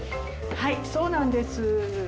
はいそうなんです。